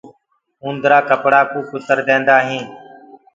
اُندرآ ڪپڙآ ڪو ستيآ نآس ڪرديندآ هينٚ۔